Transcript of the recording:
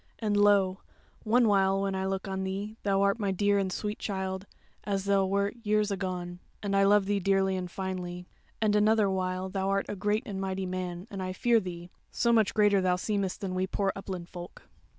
And lo, one while when I look on thee thou art my dear and sweet child, as thou wert years agone, and I love thee dearly and finely; and another while thou art a great and mighty man, and I fear thee; so much greater thou seemest than we poor upland folk."